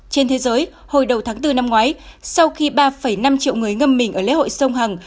trên thế giới hồi đầu tháng bốn năm ngoái sau khi ba năm triệu người ngâm mình ở lễ hội sông hằng